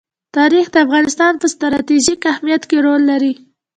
تاریخ د افغانستان په ستراتیژیک اهمیت کې رول لري.